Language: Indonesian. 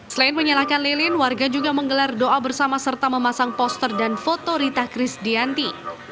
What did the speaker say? selain menyalahkan lilin warga juga menggelar doa bersama serta memasang poster dan foto rita kris dianti